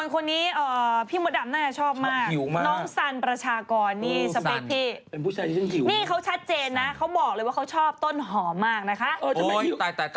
คนนี้พี่มดำน่าจะชอบมาก